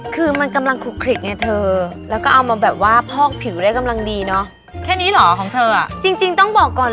คือมันมันกำลังคุกเลึกไหนเธอแล้วก็เอามาแบบว่าภอกผิวเรียกกำลังดีเนาะแค่นี้หรอของเธอจริงต้องบอกก่อน